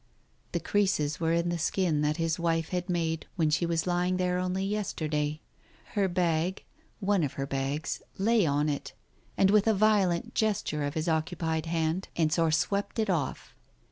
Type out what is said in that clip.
The creases were in the skin that his wife had made when she was lying there only yesterday. Her bag — one of her bags — lay on it, and with a violent gesture of his occupied hand, Ensor swept it off.